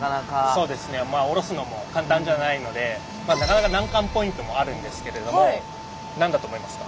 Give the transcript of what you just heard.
そうですねおろすのも簡単じゃないのでなかなか難関ポイントもあるんですけれども何だと思いますか？